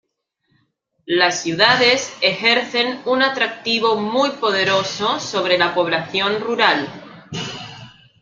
Las ciudades ejercen un atractivo muy poderoso sobre la población rural.